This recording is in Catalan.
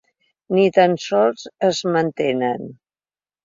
Ni tan sols es mantenen.